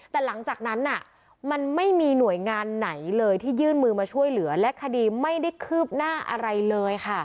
แต่หลังจากนั้นมันไม่มีหน่วยงานไหนเลยที่ยื่นมือมาช่วยเหลือและคดีไม่ได้คืบหน้าอะไรเลยค่ะ